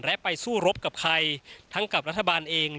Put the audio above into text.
และไปสู้รบกับใครทั้งกับรัฐบาลเอง